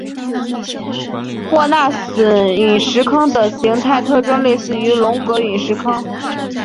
沃纳陨石坑的形态特征类似于龙格陨石坑。